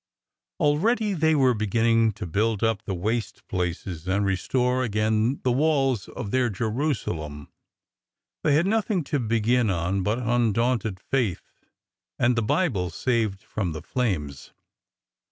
Already they were beginning to build up the waste places and restore again the walls of their Jerusalem. They had nothing to begin on but undaunted faith and the Bible saved from the flames.